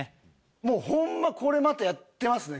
もうホンマこれまたやってますね